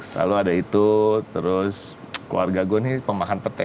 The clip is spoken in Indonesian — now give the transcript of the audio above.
lalu ada itu terus keluarga gue nih pemakan petai